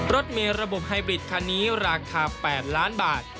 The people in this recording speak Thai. รถเมระบบไฮบริดคันนี้ราคา๘ล้านบาท